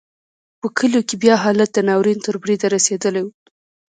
په کلیو کې بیا حالت د ناورین تر بریده رسېدلی و.